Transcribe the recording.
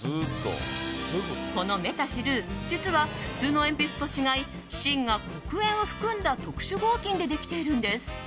このメタシル実は、普通の鉛筆と違い芯が黒鉛を含んだ特殊合金でできているんです。